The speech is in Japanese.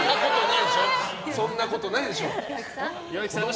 そんなことないでしょ！